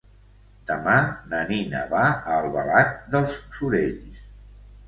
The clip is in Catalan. Demà na Nina va a Albalat dels Sorells.